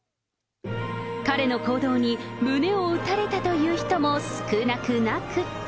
彼の行動に胸を打たれたという人も少なくなく。